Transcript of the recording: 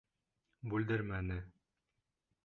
Бүлдермәне.